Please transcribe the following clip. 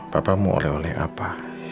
papa mau oleh oleh apa